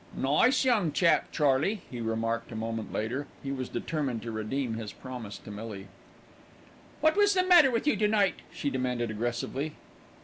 "Nice young chap, Charley," he remarked a moment later. He was determined to redeem his promise to Millie. "What was the matter with you to night?" she demanded aggressively.